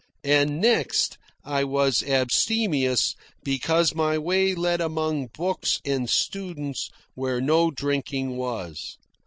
And next, I was abstemious because my way led among books and students where no drinking was.